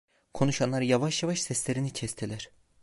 Konuşanlar yavaş yavaş seslerini kestiler.